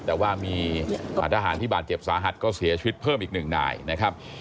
แต่ว่ามีทหารที่บาดเจ็บสาหัสก็เสียชีวิตเพิ่มอีกหนึ่งนายนะครับ